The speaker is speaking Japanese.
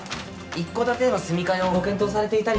一戸建てへの住み替えをご検討されていたりとか。